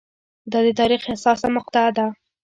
دا د تاریخ حساسه مقطعه وه.